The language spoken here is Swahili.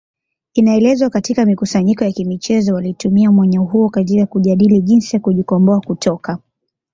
Inaelezwa katika mikusanyiko ya kimichezo walitumia mwanya huo katika kujadili jinsi ya kujikomboa kutoka